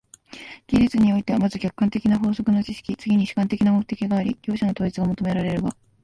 技術においては、まず客観的な法則の知識、次に主観的な目的があり、両者の統一が求められるが、